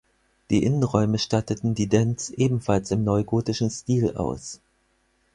Die Innenräume statteten die Dents ebenfalls im neugotischen Stil aus.